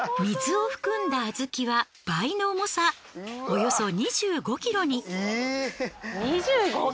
水を含んだ小豆は倍の重さおよそ２５キロに。